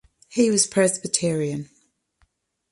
He was Presbyterian.